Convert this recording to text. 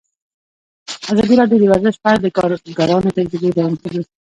ازادي راډیو د ورزش په اړه د کارګرانو تجربې بیان کړي.